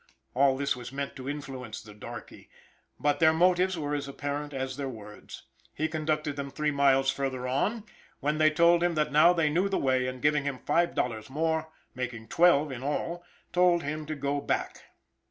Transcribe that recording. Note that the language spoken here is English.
All this was meant to influence the darkey; but their motives were as apparent as their words. He conducted them three miles further on, when they told him that now they knew the way, and giving him five dollars more making twelve in all told him to go back.